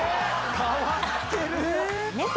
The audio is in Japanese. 変わってる！